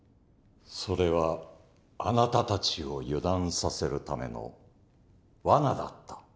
それはあなたたちを油断させるためのワナだった？